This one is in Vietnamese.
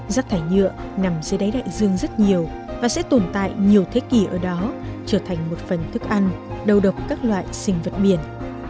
rác thải nhựa nằm dưới đáy đại dương rất nhiều và sẽ tồn tại nhiều thế kỷ ở đó trở thành một phần thức ăn đầu độc các loại sinh vật biển